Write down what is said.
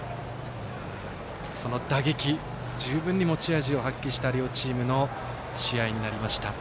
その打撃十分に持ち味を発揮した両チームの試合になりました。